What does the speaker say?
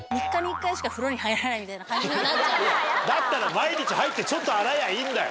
だったら毎日入ってちょっと洗えばいいんだよ！